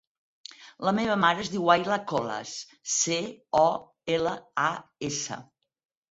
La meva mare es diu Ayla Colas: ce, o, ela, a, essa.